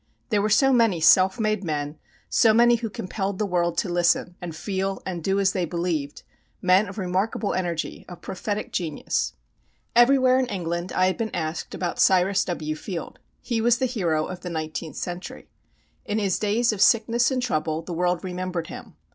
There were so many self made men, so many who compelled the world to listen, and feel and do as they believed men of remarkable energy, of prophetic genius. Everywhere in England I had been asked about Cyrus W. Field. He was the hero of the nineteenth century. In his days of sickness and trouble the world remembered him.